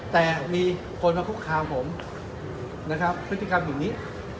แต่มีคนมาคุกคามผมนะครับพฤติกรรมอย่างนี้